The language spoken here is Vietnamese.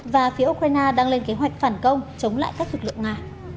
và phía ukraine đang lên kế hoạch phản công chống lại các lực lượng nga